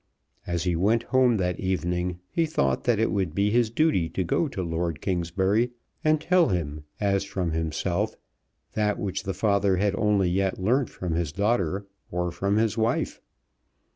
As he went home that evening he thought that it would be his duty to go to Lord Kingsbury, and tell him, as from himself, that which the father had as yet only learnt from his daughter or from his wife.